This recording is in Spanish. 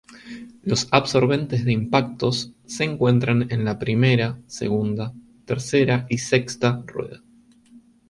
Los absorbentes de impactos se encuentran en la primera, segunda, tercera y sexta rueda.